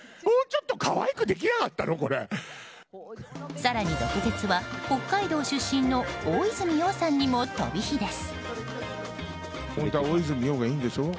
更に毒舌は、北海道出身の大泉洋さんにも飛び火です。